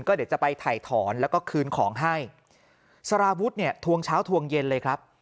เดี๋ยวจะไปถ่ายถอนแล้วก็คืนของให้สารวุฒิเนี่ยทวงเช้าทวงเย็นเลยครับ